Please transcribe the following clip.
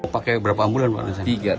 pakai berapa ambulan pak